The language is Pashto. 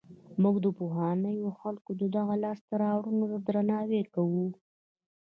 موږ د پخوانیو خلکو دغو لاسته راوړنو ته درناوی کوو.